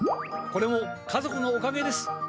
これも家族のおかげです。